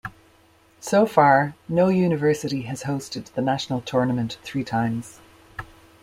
So far, no university has hosted the National Tournament three times.